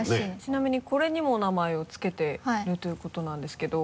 ちなみにこれにも名前をつけているということなんですけど。